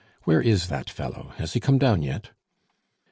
Where is that fellow, has he come down yet?"